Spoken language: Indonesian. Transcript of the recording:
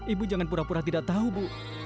ibu jangan pura pura tidak tahu bu